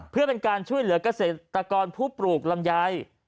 เพื่อเป็นการช่วยเหลือกเกษตรกรผู้ปลูกลำไย